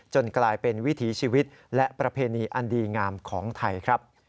กลายเป็นวิถีชีวิตและประเพณีอันดีงามของไทยครับ